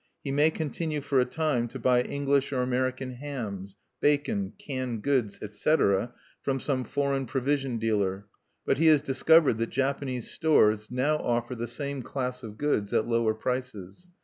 He may continue for a time to buy English or American hams, bacon, canned goods, etc., from some foreign provision dealer; but he has discovered that Japanese stores now offer the same class of goods at lower prices.